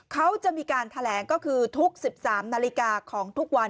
เขาจะมีการแถลงก็คือทุก๑๓นาฬิกาของทุกวัน